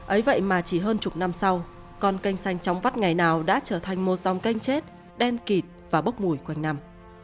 ấy vậy mà chỉ hơn chục năm sau con kênh xanh tróng vắt ngày nào đã trở thành một dòng kênh chết đen kịt và bốc mùi quanh nằm